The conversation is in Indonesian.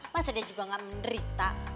masa dia juga gak menderita